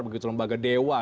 begitu lembaga dewa